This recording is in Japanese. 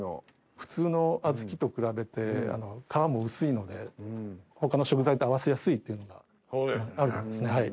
普通の小豆と比べて皮も薄いので他の食材と合わせやすいっていうのがあるかもですね。